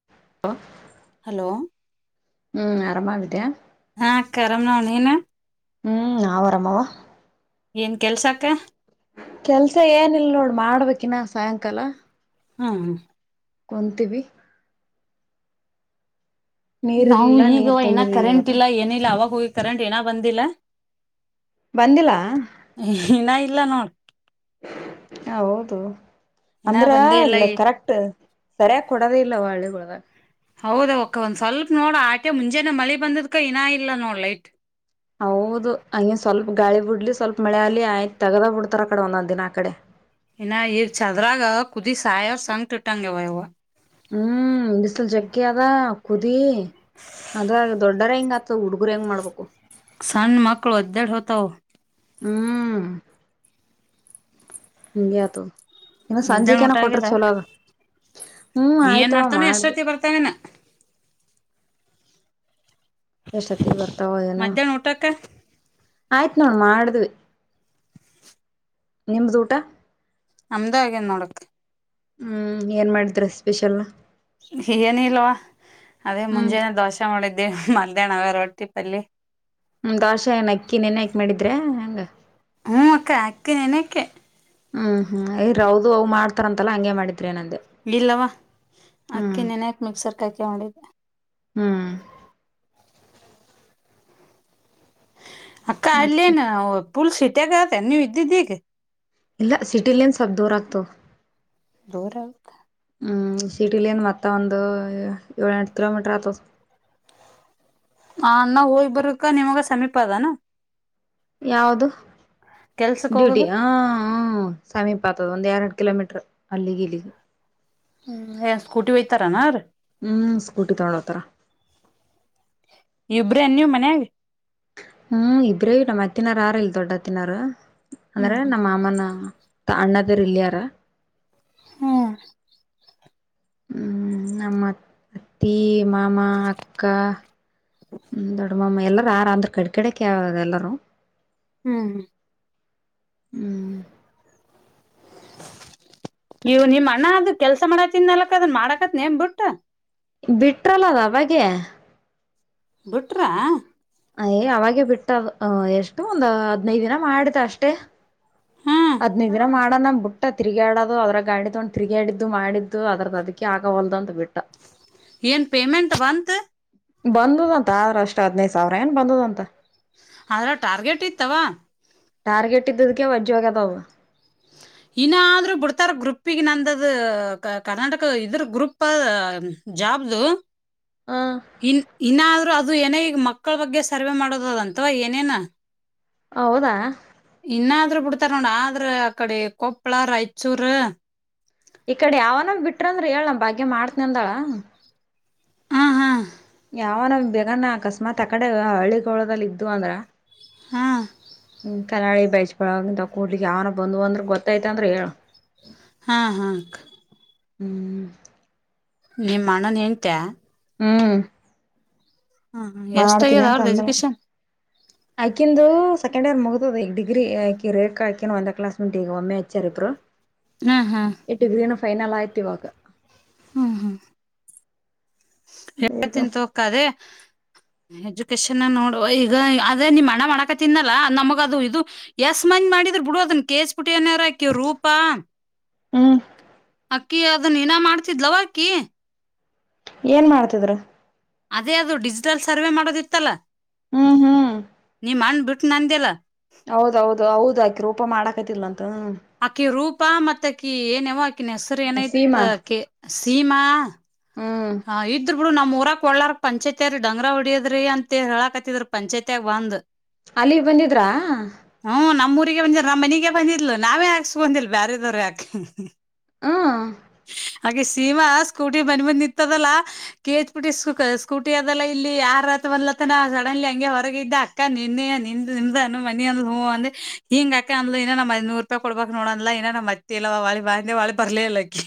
ಹ ಹಲೋ ಹ್ಮ್ ಆರಾಮಾಗಿದಿಯಾ ಹಾ ಅಕ್ಕಾ ಆರಾಮ್ ನೀನು ಹು ನಾನ್ ಆರಾಮವ್ವ ಏನ್ ಕೆಲ್ಸಕ್ಕ ಕೆಲ್ಸ ಏನೀಲ್ ನೋಡ್ ಮಾಡ್ಬೇಕಿನ ಸಾಯಂಕಾಲ ಹ್ಮ ಕೊಂತಿವಿ ನೀರ್ ನಾವು ಇರ್ಲಿಲ್ಲ ನೀರ್ ಈಗವ್ವ ಏನ ತುಂಬಿದೀವಿ ಕರೆಂಟ್ ಇವಾಗ ಇಲ್ಲ ಏನಿಲ್ಲ ಅವಾಗ ಹೋಗಿ ಕರೆಂಟ್ ಏನ ಬಂದಿಲ್ಲ ಬಂದಿಲ್ಲ ಇನ್ನ ಇಲ್ಲ ನೋಡ್ ಹ ಹೌದು ಇನ್ನ ಅಂದ್ರ ಬಂದೇ ಇಲ್ಲ ಅಲ್ಲ ಈ ಕರೆಕ್ಟ್ ಸರಿಯ ಕೊಡದೇ ಇಲ್ಲವ ಹಳ್ಳಿಗೊಳಿಗೆ ಹೌದ ಅವಕ್ಕ ಒಂದು ಸ್ವಲ್ಪ ನೋಡ ಆಟೆ ಮುಂಜಾನೆ ಮಳಿ ಬಂದದ್ಕ ಇನ್ನ ಇಲ್ಲ ನೋಡ್ ಲೈಟ್ ಹೌದು ಹಂಗಿನ್ ಸ್ವಲ್ಪ ಗಾಳಿ ಬಿಡ್ಲಿ ಸ್ವಲ್ಪ ಮಳೆ ಆಲಿ ಆಯ್ತತ್ ತೆಗದ ಬಿಡ್ತಾರ ಅ ಕಡೆ ಒಂದೊಂದ ದಿನ ಆಕಡೆ ಇನ್ನು ಈಗ ಚದ್ರಾಗ ಕುದಿ ಸಾಯೋ ಸಂಗಟ್ ಇಟ್ಟಂಗವ ಇವ ಹ್ಮ್ ಬಿಸಿಲು ಜಗ್ಗಿ ಅದ ಕುದಿ ಅದಾ ದೊಡ್ಡ ಅವ್ರೆ ಹೆಂಗ ಆತವ ಹುಡುಗರು ಹೆಂಗ ಮಾಡ್ಬೇಕು ಸಣ್ಣ ಮಕ್ಕಳು ಒದ್ದೆಡ್ ಹೋತಾವ ಹ್ಮ್ ಹಂಗಗೆ ಆತ ಇನ್ನು ಮಧ್ಯಾಹ್ನ ಸಂಜಿಕನ ಊಟ ಕೊಟ್ರ ಆಗ್ಯದ ಚಲೋ ಅದ ಹ್ಮ್ ಆಯ್ತವ ಮಾಡ್ದೆ ತೆನನ ಎಷ್ಟೊತ್ತಿಗೆ ಬರ್ತಾವೋ ಏನೋ ಮಧ್ಯಾಹ್ನ ಊಟಕ್ಕ ಆಯ್ತು ನೋಡಿ ಮಾಡಿದ್ವಿ ನಿಮ್ಮದು ಊಟ ನಮ್ದೇ ಆಗದೆ ನೋಡಕ್ಕೆ ಹ್ಮ್ ಏನ್ ಮಾಡಿದ್ರ ಸ್ಪೆಷಲ್ ಏನ ಇಲ್ಲವ್ವ ಅದೇ ಮುಂಜಾನೆ ಹ್ಮ್ ದೋಸೆ ಮಾಡಿದ್ದೇ ಮಧ್ಯಾನ್ದಾಗೆ ರೊಟ್ಟಿ ಪಲ್ಲಿ ಹ್ಮ ದಾಸಿ ಏನ್ ಅಕ್ಕಿ ನೆನೆ ಯಾಕ್ ಮಾಡಿದ್ರೆ ಹೆಂಗ ಹ್ಞೂ ಅಕ್ಕ ಅಕ್ಕಿ ನೆನಕ್ಕೆೆ ಹ್ಮ್ ಹ್ಮ್ [unintelligible] [unintelligible] [inaudible] ಅವ್ ಮಾಡ್ತಾರಂತೆಲ್ಲ ಹಂಗೆ ಮಾಡಿದ ಇಲ್ಲವಾ ಅಕ್ಕಿ ಹ್ಮ್ ನೆನ್ಯಕ ಮಿಕ್ಸರ್ ಕ ಹಾಕೀ ನಡ್ಯತ [inaudible] ಹ್ಮ್ ಅಕ್ಕ ಮತ್ತೆ ಅಲ್ಲಿನು ಪುಲ್ಸೀಟಿಯಾಗತ್ತ ನೀವ ಇದ್ದಿದ್ದ ಈಗ ಇಲ್ಲ ಸಿಟಿ ಳಿಂದ ಸ್ವಲ್ಪ ದೂರ ಆಗ್ತವ ದೋರ ಹ್ಮ್ ಸಿಟಿಲಿಂದ ಮತ್ತ ಒಂದು ಏಳು ಎಂಟು ಕಿಲೋಮೀಟರ್ ಆತದ ಹ ನಾ ಹೋಗ್ ಬರಕ್ಕ ನಿಮಾಗ ಸಮೀಪ ಅದಾನ ಯಾಾವದು ಕೆಲ್ಸಕ್ ಡ್ಯೂಟಿ ಹೋಗೋದು ಹ ಸಮೀಪಾತದ ಒಂದು ಎರಡು ಕಿಲೋಮೀಟರ್ ಅಲ್ಲಿಗೆ ಇಲ್ಲಿಗೆ ಹ್ಮ್ ಏನ್ ಸ್ಕೂಟಿ ಒಯ್ತಾರನಾ ಅವರ ಹ್ಞೂ ಸ್ಕೂಟಿ ತಗೊಳ್ಳೋತರ ಇಬ್ರ ನೀವು ಮನ್ಯಾಗ ಹ್ಮ್ ಇಬ್ರೇ ನಮ್ಮ ಅತ್ತಿನಾರ ಆರ ಇಲ್ ದೊಡ್ ಅತ್ತಿನವಾರ ಹ್ಮ್ ಅಂದ್ರೆ ಹ್ಮ್ ನಮ್ಮ ಅಮ್ಮನ ಅಣ್ಣದರು ಇಲ್ಯಾರ ಹ್ಮ್ ನಮ್ಮ ಅತ್ತಿ ಮಾಮ ಅಕ್ಕ ದೊಡ್ಡ ಎಲ್ಲಾರ ಯಾರ ಅಂದ್ರರು ಕಡೆ ಕಡೆಕ್ಕೆ ಎಲ್ಲಾರೂ ಹ್ಮ್ ಹ್ಮ್ ಇವ್ ನಿಮ್ ಅಣ್ಣ ಅದ ಕೆಲ್ಸ ಮಾಡ ತಿನ್ಲಕದನ್ ಮಾಡಾಕತ್ ನೇಮ್ ಬಿಟ್ಟ ಬಿಟ್ರಲ್ಲ ಅದ ಅವಾಗೆ ಬಿಟ್ರಾ ಅಯ್ ಅವಾಗೆ ಬಿಟ್ಟ ಎಷ್ಟು ಒಂದು ಹದ್ನೈದು ದಿನ ಮಾಡಿದ ಅಷ್ಟೇ ಹ್ಮ್ ಹದನೈದಿನ ಮಾಡಣ ಬಟ್ [inaudible] ತಿರುಗಾಡದು ಅದರ ಗಾಡ ತೊಗೊಂಡ ತಿರುಗಾಡಿದ್ದು ಮಾಡಿದ್ದು ಅದ್ರದ ಅದಕ್ಕೆ ಆಗವಲ್ದು ಅಂತ ಬಿಟ್ಟ ಪೇಮೆಂಟ್ ಬಂತ ಬಂದದ ಅಂತ ಆದ್ರ ಅಷ್ಟು ಹದನೈದು ಸಾವಿರ ಏನ್ ಬಂದದಂತ ಆದ್ರ ಟಾರ್ಗೆಟ್ ಇತ್ತವಾ ಟಾರ್ಗೆಟ್ ಇದ್ದದಕ್ಕೆೆ ವಜ್ಜಗದ [unintelligible] ಇನಾದ್ರೂ ಬಿಡ್ತಾರ ಗ್ರೂಪ್ಗೆ ನಂದದ ಕರ್ನಾಟಕ ಇದ್ರ ಗ್ರೂಪ್ ಅ ಜಾಬ್ದು ಹ ಇನ್ ಇನ್ನಾದ್ರೂ ಅದು ಏನ ಈಗ ಮಕ್ಕಳ ಬಗ್ಗೆ ಸರ್ವೆ ಮಾಡೋದದಂತವಾ ಏನೇನ. ಹೌದಾ. ಇನ್ನಾದ್ರು ಬಿಡ್ತಾರ ನೋಡ ಆದ್ರ ಆ ಕಡೆ ಕೊಪ್ಪಳ ರಾಯಚೂರ್. ಈ ಕಡೆ ಯಾವನ ಬಿಟ್ರ ಅಂದ್ರೆ ಹೇಳಳ್ ನಮ ಬಾಗ್ಯ ಮಾಡ್ತನ ಅಂದಾಳ. ಹ್ಮ್ ಹ್ಮ್. ಯಾವನ ಬೇಗಾನ ಅಕಸ್ಮಾತ್ ಆ ಕಡೆ ಹಳ್ಳಿಗೋಳದಲ್ಲಿ ಇದ್ದು ಅಂದ್ರ. ಹಾ. ಹ ಕನ್ನಳಿ ಬೈಸ್ ಬಳಂತ ಕೂಡ್ಲಿಗ್ ಯಾವನ ಬಂದ್ ಅಂದ್ರೆ ಗೊತ್ತಾಯ್ತ ಅಂದ್ರ ಹೇಳ. ಹಾ ಹಾ ಹಾಕ್. ಹ್ಮ್. ನಿಮ್ಮ ಅಣ್ಣನ್ ಹೆಂತ್ಯ. ಹ್ಮ್ ಹ್ಮ್ ಮಾಡ್ತೀನ ಎಷ್ಟಾಗ್ಯದ ಅಂತ ಅವ್ರದ್ದು ಅಂದಾಳ. ಎಜುಕೇಶನ್ ಆಕಿಂದು ಸೆಕಂಡ್ ಇಯರ್ ಮುಗತದ ಈ ಡಿಗ್ರಿ ಆಕಿ ರೇಕ್ ಆಕಿನ ಒಂದೇ ಕ್ಲಾಸ್ ಮಂಟ್ ಈಗ ಒಮ್ಮೆ ಹಚ್ಚಾರ ಇಬ್ಬ್ರು. ಹ್ಮ್ ಹ್ಮ್. ಡಿಗ್ರೀನು ಫೈನಲ್ ಆಯ್ತ ಇವಾಗ. ಹ್ಮ ಹ್ಮ. ಹೇಳ್ತಿನ ತೊಗೊ ಅಕ್ಕಾ ಅದೇ. ಎಜುಕೇಶನ್ ನೋಡುವ ಈಗ ಅದೇ ನೀಮ್ ಅಣ್ಣಾ ಮಾಡಕತಿದ್ನ ಅಲ್ಲಾ ನಮಗ ಅದು ಇದು. ಎಸ್ ಮಂದಿ ಮಾಡಿದ್ರ ಬಿಡು ಅದನ್ ಕೆ. ಎಚ್ ಪಿ ಟಿ ಅನರ ರೂಪ. ಹ್ಮ್ ಅಕ್ಕಿ ಅದನ್ ಇನ್ನ ಮಾಡ್ತಿದ್ಲವ ಅಕ್ಕಿ. ಏನ್ ಮಾಡ್ತಿದ್ರ. ಅದೇ ಅದು ಡಿಜಿಟಲ್ ಸರ್ವೆ ಮಾಡೋದಿತ್ತಲ್ಲ. ಹ್ಮ್ ಹ್ಮ್. ನಿಮ್ಮಣ್ಣ ಬಿಟ್ಟನ ಅಂದೆಲ್ಲ. ಹೌದೌದು ಹೌದು ಆಕೆ ರೂಪ ಮಾಡಾಕತಿಲ್ಲ ಅಂತ. ಅಕ್ಕಿ ರೂಪಾ ಮತ್ತ ಅಕ್ಕಿ ಏನ್ವು ಆಕಿನ ಹೆಸ್ರು ಏನೈತ್ ಸೀಮಾ ಅಕಿ ಸೀಮಾ. ಹ್ಮ್. ಹಾ ಇದ್ರೂ ಬಿಡು ನಮಊರ ಗ ಕೊಡ್ಲಾರದಕ ಪಂಚಾಯತ್ರ ಡಂಗರ ಹೊಡಿಯದ್ರಿ ಅಂತ ಹೇಳಾಕತ್ತಿದಿದ್ದರು ಪಂಚಾಯತಿಯಾಗ ಬಂದ್. ಅಲ್ಲಿಗ ಬಂದಿದ್ರಾ. ಹ್ಮ್ ನಮ್ಮ ಊರಿಗೆ ಬಂದಿಲ್ಲ ನಮ್ಮ ಮನಿಗೆ ಬಂದಿದ್ಲು ನಾವೇ ಹಾಸ್ಕೊಂಡಿಲ್ಲ ಬ್ಯಾರೆದಾರ ಯಾಕ್. ಹ್ಮ್. ಅಕಿ ಸೀಮಾ ಸ್ಕೂಟಿ ಮನಿಗ ಬಂದ ನಿಂತದಲ್ಲ. K. H P T scooty ಅದಲ್ಲ ಇಲ್ಲಿ ಯಾರ ಅತ ಬರಲೆಂತನ ಸಡನ್ಲಿ ಹಂಗೆ ಹೊರಗಿಂದ. ಅಕ್ಕ ನಿನ್ನೆ ನಿಂದನ ಮನೆ ಅಂದಲ್ಲು ಹೂ ಅಂದ ಹಿಂಗ ಅಕ್ಕ ಅಂದ್ಲು ನಮ್ಮ ವು ಐದುನೂರು ರೂಪಾಯಿ ಕೊಡ್ಬೇಕಕ್ ನೋಡ ಅಂದ್ಲ ಈಗ ನಮ್ ಗೊತ್ತಿಲ್ಲವಾ ಹೊಳ್ಳಿ ಬಾ ಅಂದೆ ಹೊಳ್ಳಿ ಬರಲೆ ಇಲ್ಲಾ ಆಕಿ.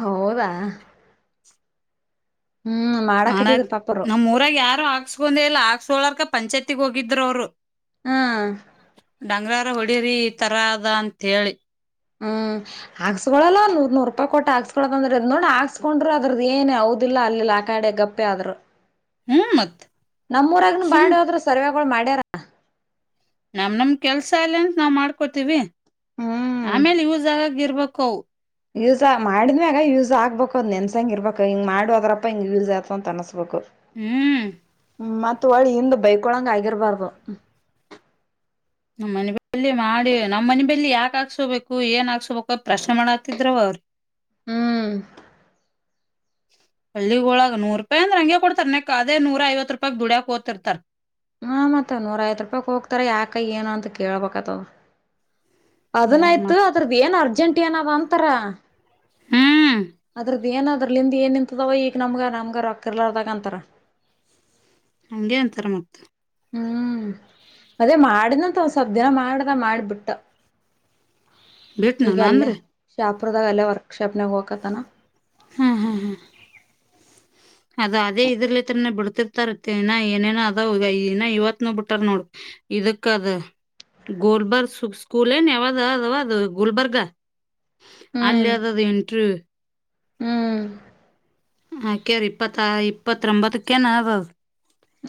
ಹೌದಾ. [inaudible] ಹ್ಮ್. ಮಾಡ ಮಾಡಾಕತಿದ್ರ ಪಾಪರು ನಮ್ ಊರಾಗ ಯಾರು ಆಗ್ಕ್ಸ ಹಾಸ್ಕೊಂಡಿಲ್ಲ ಹಾಸ್ಕೊಳಕ ಪಂಚಾಯತಿಗ್ ಹೋಗಿದ್ರು ಅವರು ಹ್ಮ್ ಡಂಗರ ಹೊಡರಿ ಈ ತರ ಅದ ಅಂತ ಹೇಳಿ. ಹ್ಮ್. ಹಾಕ್ಸ್ಕೊಲ್ಲ ನೂರ್ ನೂರು ರೂಪಾಯಿ ಕೊಟ್ಟ ಹಾಸ್ಕೋ ಅಂದ್ರೆ ನೋಡಿ ಹಾಕ್ಸ್ಕೊಂಡ್ರು ಅದರ ದ ಏನಿಲ್ಲಾ ಹೌದಿಲ್ಲ ಅಲ್ಲಿಲಾ ಆಕಡೆ ಗಪ್ ಗಪ್ಪೆ ಆದ್ರ. ಹೂ ಮತ್ ನಮ್ಮ ಊರಗನು ಸುಮ್ ಮಾಡಿ ಹೊದ್ರರು ಸರ್ವೆಗಳು ಮಾಡ್ಯಾರ. ನಮ್ ನಮ್ ಕೆಲಸ ಅಲ್ಲಿ ಅಂತ ನಾವು ಮಾಡ್ಕೊತಿವಿ ಹ್ಮ್ ಆಮೇಲೆ ಯೂಸ್ ಆಗಿರ್ಬೇಕುವು. ಯೂಸ್ ಮಾಡಿದ ಮ್ಯಾಗ ಯೂಸ್ ಆಗ್ಬೇಕು ಅದು ನೆನ್ಸಂಗ ಇರ್ಬೇಕು ಹಿಂಗ ಮಾಡಿ ಹೋದ್ರಪ್ಪ ಹಿಂಗ ಯೂಸ್ ಆತು ಅಂತ ಅನ್ಸಬೇಕು. ಹ್ಮ್ ಹ್ಮ ಮತ್ತ್ ಒಳ್ ಹಿಂದ್ ಬೈಕೊಳಂಗ್ ಆಗಿರ್ಬಾದು. ನಮ್ಮ್ ಮನೆ ಬಿ ಮಾಡಿ ನಮ್ಮ ಮನೆ ಬಿಳಿ ಯಾಕ್ ಹಾಕ್ಸೋಬೇಕು ಏನ್ ಹಾಕ್ಸೋಬೇಕು ಅ ಪ್ರಶ್ನೆ ಮಾಡತಿದ್ರ ಅವ್ರು. [inaudible] ಹ್ಮ್ [inaudible] ಹಳ್ಳಿ ಒಳಗ್ ನೂರ್ ರೂಪಾಯಿ ಅಂದ್ರ ಹಂಗೆ ಕೊಡ್ತಾರೆ ನಕ ಅದೇ ನೂರ ಐವತ್ ರೂಪಯ್ ದುಡಿಯಕ ಓತಿರ್ತರ್. ಹಾ ಮತ್ತೆ ನೂರ್ ಐವತ್ತ್ ರೂಪಾಯಕ್ ಹೋಗ್ತಾಯಿರ್ತರ ಯಾಕ ಏನ್ ಅಂತ ಕೇಳ್ ಬೇಕಾತದ. ಯಾರ್ ಅದನಯ್ತು ಮಾಡ್ಕೊ ಅದ್ರದ್ದ ಏನ್ ಅರ್ಜೆಂಟೀನೈತ ಅಂತಾರ ಹ್ಮ್ ಅದ್ರ ಏನ್ ಅದ್ರಲ್ಲಿ ಏನ ಇಂತದವ ಈಗ ನಮ್ಗ ನಮ್ಗ ರೊಕ್ಕರ್ಲರ್ದಾಗ ಅಂತರ. ಹಂಗೆ ಅಂತರ್ ಮತ್ತೆ. ಹ್ಮ್ ಅದೇ ಮಾಡನಂತ ಒನ್ ಸ್ವಲ್ಪ ದಿನ ಮಾಡ್ದ ಮಾಡ್ ಬಿಟ್ಟ. [unintelligible] ಈಗ ಬಿಟ್ನನ ಅಲ್ಲೇ ಅಂದ್ರ ಶಾಪುರದಾಗ ಅಲ್ಲೇ ವರ್ಕಶಾಪ್ನಾಗ ಹೋಗಕತನ. ಹಾ ಹಾ ಹಾ ಅದ ಅದೇ ಇದರ್ಲಿತ್ರರನ ಬಿಡ್ತಿರ್ತ ಇತ್ತೆ ಇ ಏನೇನೋ ಅದ ಇ ಇವತ್ ನೋ ಬಿಟ್ಟಾರ್ ನೋಡ್ ಇದುಕ್ಕ ಅದು. ಗೋಲ್ಬರ್ಗ್ ಸೂ ಸ್ಕೂಲ್ ಏನ್ ಯಾವ್ದ ಅದಾವದು ಗುಲ್ಬರ್ಗ. ಅಲ್ ಹ್ಮ್ ಅದದ ಇಂಟ್ರು. ಹ್ಮ್ ಆಕೆರಿ ಇಪ್ಪತ್ತ ಇಪ್ಪತ್ತೊಂಬತಕೆನಾದ.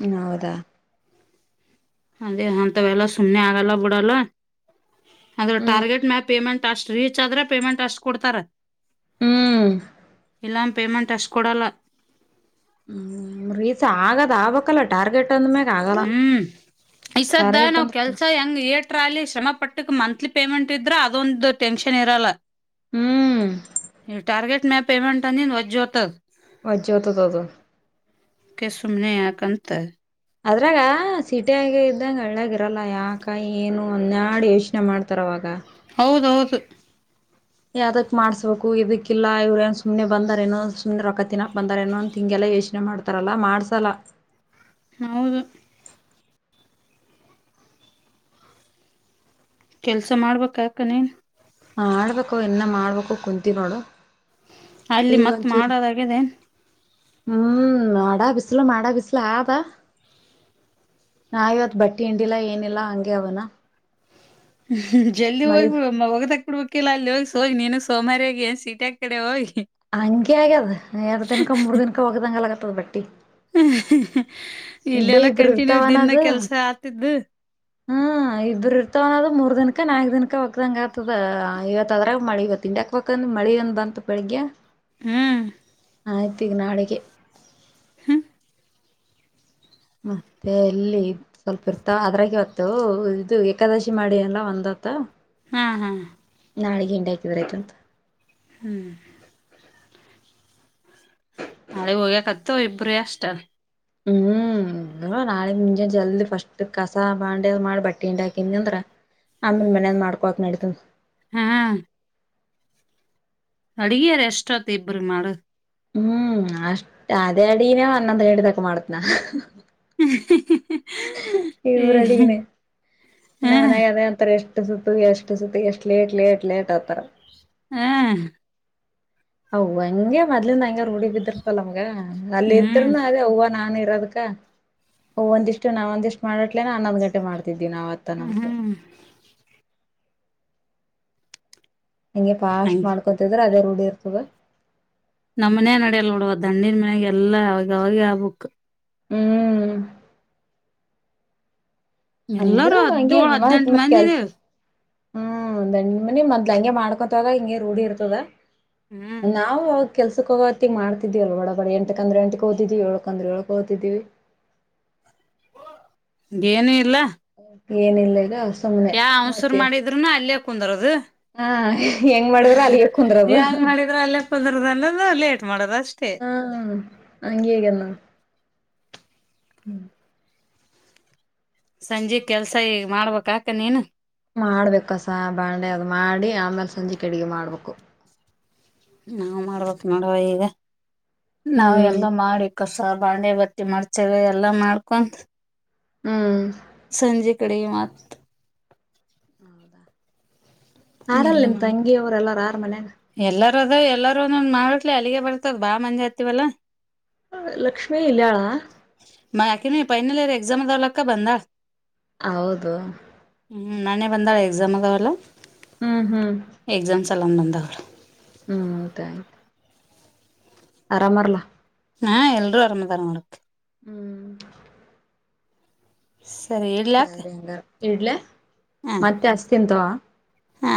ಹ್ಮ ಹೌದಾ ಅದೇ ಅಂತವೆ ಎಲ್ಲ ಸುಮ್ನೆ ಆಗಲ್ಲ ಬಿಡಲ್ಲ ಅದ್ರ ಹ್ಮ್ ಟಾರ್ಗೆಟ್ ಮ್ಯಾಪ್. ಪೇಮೆಂಟ್ ಅಷ್ಟ್ ರೀಚ್ ಆದ್ರೆ ಪೇಮೆಂಟ್ ಅಷ್ಟ್ ಕೊಡ್ತಾರ. ಹ್ಮ್ ಇಲ್ಲ ಪೇಮೆಂಟ್ ಅಷ್ ಕೊಡಲ್ಲ. ಹ್ಮ್ ರೀಚ್ ಆಗದ್ ಆಗ್ಬೇಕಲ ಟಾರ್ಗೆಟ್. ಅಂದ್ಮ್ಯಾಗ ಆಗಲ್ಲ ಹ್ಮ್ ಈಸದ್ದ ಟಾರ್ಗೆಟ್ ನಾವ್ ಅಂದ್ರ ಕೆಲ್ಸ ಹಂಗ ಏ ಟ್ರಾಲಿ ಶ್ರಮ ಪಟ್ಟಕ್ ಮಂತ್ಲಿ ಪೇಮೆಂಟ್ ಇದ್ರ ಅದೊಂದು ಟೆನ್ಷನ್ ಇರಲ್ಲ. ಹ್ಮ್ ಈ ಟಾರ್ಗೆಟ್ ಮ್ಯಾ ಪೇಮೆಂಟ್ ಅ [unintelligible] ಹಜ್ ಹೊತದದು ಅದ್ಕೆ ಸುಮ್ನೆ ಯಾಕಂತ. ಅದ್ರಾಗ ಸಿಟಿಯಾಗ ಇದ್ದಂಗೆ ಹಳ್ಳ್ಯಗ ಇರಲ್ಲ ಯಾಕ ಏನು [unintelligible] ಯೋಚ್ನೆ ಮಾಡ್ತಾರ್ ಅವಾಗ. ಹೌದೌದು ಯಾವ್ದಕ್ ಮಾಡ್ಬೇಕು ಇದಕ್ಕಿಲ್ಲ ಇವ್ರೆನ್ ಸುಮ್ನೆ ಬಂದರೇನೋ ಸುಮ್ನೆ ರೊಕ್ಕ ತಿನ್ನಾಕ್ ಬಂದಾರೇನೋ ಅಂತ ಹಿಂಗೆಲ್ಲ ಯೋಚ್ನೆ ಮಾಡ್ - - ಆತರಲ್ಲ ಮಾಡ್ಸಲ್ಲ. ಹೌದು ಕೆಲಸ ಮಾಡ್ಬೇಕ್ [unintelligible] ಮಾಡ್ಬೇಕು ಇನ್ನ ಮಾಡ್ಬೇಕು ಕುಂತಿನೋಡು. ಅಲ್ಲಿ ಇಗ ಮತ್ ಒನ್ಚುರ್ [inaudible] ಮಾಡೋದಾಗ್ಯದೇನ್ ಹ್ಮ್ ಮಾಡಾ ಬಿಸ್ಲು ಮಾಡಾ ಬಿಸ್ಲು ಆದಾ. ನಾವ ಇವತ್ ಬಟ್ಟಿ ಹಿಂಡಿಲ್ಲಾ ಏನಿಲ್ಲಾ ಹಂಗೆ ಅವನ. ಜಲ್ದಿ ಮಳಿ ಹೋಗುದಾಕ್ಬೇಕು ಬಿಡ್ಬೇಕ ಇಲ ಅಲ್ಲಿ ಹೋಗಿ ಹೋಗಿ ನೀನು ಸೋಮಾರಿ. ಹಂಗೆ ಆಗ್ಯದ ಎರಡು ತಿನಕ ಮೂರ್ ದನ್ಕ ಹೋಗ್ದಂಗ ಆಗಲತ್ತಾದ ಬಟ್ಟಿ. [unintelligible] ಇದೇ ಇಲ್ಲೆಲ್ಲ ಇಬ್ರು ಕಂಟಿನ್ಯೂ ದಿನ ಇರ್ತಾವನದು ಕೆಲ್ಸ ಆಗ್ತಿದ್ದು ಇಬರು ಇರ್ತವನೋದು ಮೂರ್ ದಿನಕೆ ನಾಕ್ ದಿನಕ್ ಒಕ್ದಂಗ ಆಗ್ತದ ಇವತ್ದ್ರಾಗ ಮಳ ಇವ ತಿಂಡಾಕ್. ಪಕಂದ್ ಮಳಿ ಒಂದ ಬಂತು ಬೆಳಿಗ್ಗೆ. ಹ್ಮ್ ಆಯ್ತಿಗೆ ನಾಳಿಗೆ. ಹ್ಮ ಮತ್ತೆ ಎಲ್ಲಿ ಸ್ವಲ್ಪ ಇರ್ತ ಅದ್ರಾಗವತ್ತು ಇದು ಏಕಾದಶಿ ಮಾಡಿ ಎಲ್ಲ ಒಂದತ್ತು ಹಾ ಹಾ ನಾಳೆ ಎಂಡ ಹಾಕಿದ್ರಯ್ತಂತ ಹ್ಮಞ ನಾಳೆ ಹೋಗ್ಯಾಕತ್ತ ಇಬ್ಬರು ಅಷ್ಟ ಹ್ಮ್ ಇ ನಾಳೆ ಮುಂಜಾನ ಜಲ್ದಿ ಫಸ್ಟ್ ಕಸ ಬಾಂಡೆ ಮಾಡಿ ಬಟ್ಟೆ ಹಂಡಿ ಹಾಕನ್ ಅಂದ್ರ ಆಮೇಲೆ ಮನೇದ ಮಾಡ್ಕೋಕ್ ನಡೀತು ಹಾ ಅಡುಗೆ ಎಷ್ಟ ಆತ ಇಬ್ಬರು ಮಾಡ ಹ್ಮ್ ಅಷ್ಟ್ ಅದೇ ಅಡಿನೇ ಹನ್ನೊಂದ ಹಡಿ ತಕ ಮಾಡತ್ನ ಇವ್ರಡಿನ ಹ್ಮ್ ನ ಮನಾಗ ಅದೇ ಅತ್ರ ಇಷ್ಟ ಎಷ್ಟ ಸುತ್ತು ಎಷ್ಟು ಸುತ್ತು ಎಷ್ಟಟ್ಲೇ ಇಟ್ಲೆೇ ಎಟ್ಲೇಟತಾರ ಹಾ ಹ ಭಯಂಗ ಮಲ್ಲಿಯ ಹುಡಿ ಬಿದಿರ್ತಲ್ಲ ನಮ್ಗ ಅಲ್ಲಿ ಹ್ಮ್ ಇದ್ರನು ಅದೇ ಹವ ನಾನು ಇರೋದಕ್ಕ ಓ ಒಂದಿಷ್ಟು ನಾವ ಒಂದಿಷ್ಟು ಮಾಡಲ ನ ಹನ್ನೊ ಗಂಟೆ ಮಾಡ್ತಿದ್ವಿ ನಾವತ್ ಹ್ಮ ಹ್ಮ್ ಹಂಗೆ ಫಾಸ್ಟ್ ಹಂಗ ಮಾಡ್ಕೊತಿದ್ರೆ ಅದೇ ರೂಢಿ ಇರ್ತದೆ ನಮ್ಮ್ನ ನಡಲ್ಲ ನೋಡುವ ದಣಂಡೀರ್ ಮನ್ಯಾಗ ಎಲ್ಲಾ ಅವ ಅವಾಗ ಆಗ್ಬುಕ್ ಹ್ಮ್ ಅಂದ್ರ ಎಲ್ಲಾರೂ ಹಾಗೇ ಹದ್ನೇಳು ಮತ್ ಹದ್ನೆಂಟು ಮತ್ತ್ ಮಂದಿ ಕೆಲ್ಸ ಇದೀವಿ ಹ್ಮ್ ದಂಡ ಮನಿ ಮೊದ್ಲು ಹಂಗೆ ಮಾಡ್ಕೊಂತಾಗ ಹಿಂಗೆ ರೂಢಿ ಇರ್ತದ ಹ್ಮ್ ನಾವು ಕೆಲ್ಸಕ್ಕೆ ಹೋಗತ್ತಗ ಮಾಡ್ತಿದವಲ್ಲ ಬಡ ಬಡ ಎಂಟ ಅಂದ್ರ ಎಟಕ್ಕೆ ಹದೀವಿ ಏಳ್ಕಂದ್ರೆ ಏಳಕ ಹೋಗತಿದ್ದೀವಿ ಏನು ಇಲ್ಲ ಏನಿಲ್ಲಗ ಅಷ್ಟ ಯಾವ ಹಸರು ಮಾಡಿದ್ರುನು ಅಲ್ಲಯೇ ಕುಂದರೋದು ಹಾ ಎಂಗ ಯಂಗ್ ಮಾಡಿದ್ರರು ಅಲ್ಲೇ ಪಂದರದನ್ನ ಲೇಟ್ ಮಾಡದ ಅಷ್ಟೇ ಹ್ಮ ಅಂಗಗನ್ನ ಸಂಜೆ ಕೆಲ್ಸ ಈ ಮಾಡ್ಬೇಕ ಆಕ ನೀನು ಮಾಡ್ಬೇಕಸ ಬಾಂಡೆದು ಮಾಡಿ ಆಮೇಲೆ ಸಂಜೆ ಕಡ್ಗೆ ಮಾಡ್ಬೇಕು ನಾವ್ ಮಾಡ್ಬೇಕ ನೋಡುವ ಈಗ ನಾವ ಹ್ಮ್ ಎಲ್ಲಾ ಮಾಡಿ ಕಷ್ಟ ಬಾಣೆ ಬಟ್ಟಿ ಮರ್ಚವೆ ಎಲ್ಲ ಮಾಡ್ಕೊಂಡು ಹ್ಮ್ ಸಂಜೆ ಕಡೆ ಮತ್ ಹೌದಾ ಯಾರಲ್ಲ ಎಲ್ಲಾ ನಿಮ ಮಾಡ ತಂಗಿಯವ್ರ ಎಲ್ಲಾರ ಆರ ಮನ ಎಲ್ಲಾರ ಅದ ಎಲ್ಲಾರೂ ಒಂದೊ್ ಮಾಡಟ್ಲಿ ಅಲ್ಲಿಗೆ ಬರ್ತದ ಬಾ ಮಂಜೆ ಹತ್ತವಲ್ಲಾ ಲಕ್ಷ್ಮೀ ಇಲಯಾಳ ಮ ಯಾಕೆ ನೀವು ಪನ್ನನಲ್ಲೇರ ಎಕ್ಸಾಮ ತ್ಲಾಕ್ಕ ಬಂದ ಹೌದು ಹ್ಮ್ ನಾನೇ ಬಂದಾಳ ಎಕ್ಸಾಮ್ ಅದಾವಲ್ಲ ಹ್ಮ್ ಹ್ಮ್ ಎಗ್ಸಾಮ ಸಲ್ಲಾಮ ಬಂದ ಅವರ ಹ್ಮ್ ಆಯತು ಅರಾಮಾರಲ್ಲ ಹಾ ಎಲ್ಲರರು ಆರಾಮದಾರ ಹ್ಮ್ ಸರಿಲ್ ಸರಿ ಹಂಗಾರ ಇಡ್ಲೆ ಹಾ ಮತ್ತೆ ಅಸ್ತಿಂತವಾ ಹಾ